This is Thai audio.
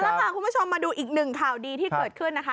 แล้วพาคุณผู้ชมมาดูอีกหนึ่งข่าวดีที่เกิดขึ้นนะคะ